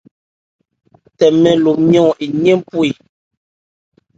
Tɛmɛ lo nmyɔn oyɛ́n bhwe.